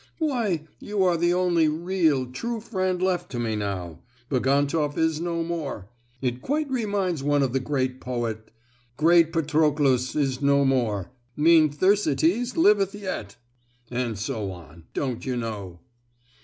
"Why, you are the only real, true friend left to me now! Bagantoff is no more! it quite reminds one of the great poet: "Great Patroclus is no more, Mean Thersites liveth yet!" —and so on,—don't you know!"